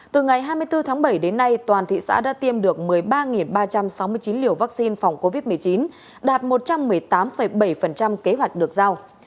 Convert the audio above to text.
từ ngày hai mươi bốn tháng bảy đến nay toàn thị xã đã tiêm được một mươi ba ba trăm sáu mươi chín liều vaccine phòng covid một mươi chín đạt một trăm một mươi tám bảy kế hoạch được giao